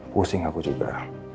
pusing aku juga